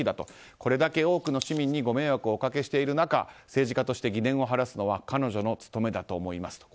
これだけ多くの市民にご迷惑をおかけしている中政治家として疑念を晴らすのは彼女の務めだと思います。